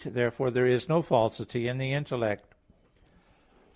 Therefore there is no falsity in the intellect.